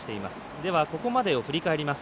では、ここまでを振り返ります。